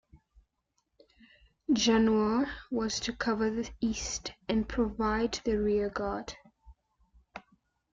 Januar was to cover the east and provide the rearguard.